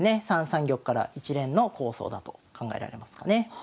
３三玉から一連の構想だと考えられますかね。